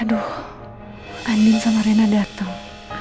aduh andin sama rena datang